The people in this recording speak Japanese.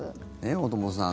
大友さん